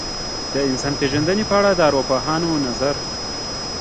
د انسان پېژندنې په اړه د ارواپوهانو نظر.